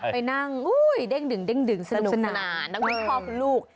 ไปนั่งอู้ยเด้งดึงสนุกสนานพ่อคุณลูก